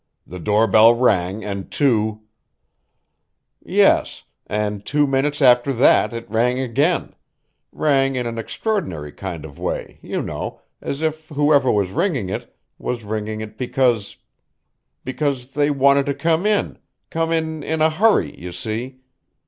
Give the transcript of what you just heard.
"The doorbell rang and two" "Yes, and two minutes after that it rang again rang in an extraordinary kind of way, you know, as if whoever was ringing it was ringing it because because they wanted to come in come in in a hurry, you see.